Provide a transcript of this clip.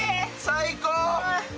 最高。